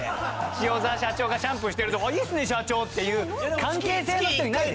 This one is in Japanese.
塩澤社長がシャンプーしてるとこ「いいっすね社長！」っていう関係性の人いないでしょ！